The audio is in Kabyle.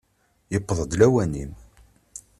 Yewweḍ-d lawan-im!